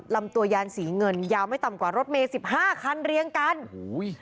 ลำตัวยานสีเงินยาวไม่ต่ำกว่ารถเมย์สิบห้าคันเรียงกันโอ้โห